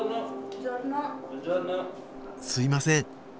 すいません。